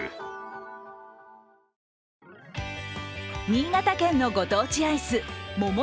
新潟県のご当地アイス・もも